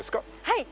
はい。